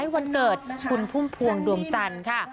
วันเกิดคุณพุ่มพวงดวงจันทร์ค่ะ